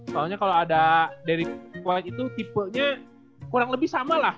soalnya kalau ada dari quality itu tipenya kurang lebih sama lah